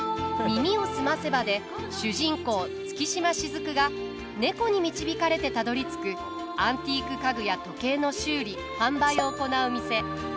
「耳をすませば」で主人公・月島雫が猫に導かれてたどり着くアンティーク家具や時計の修理・販売を行う店